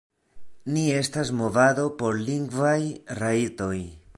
Ni estas movado por lingvaj rajtoj.